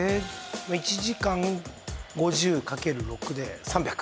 １時間５０かける６で３００。